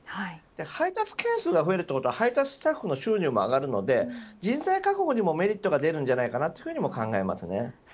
配達件数が増えると配達スタッフの収入も上がるので人材確保にもメリットが出ると思います。